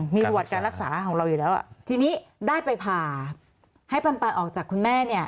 มีประวัติการรักษาของเราอยู่แล้วทีนี้ได้ไปผ่าให้ปันออกจากคุณแม่เนี่ย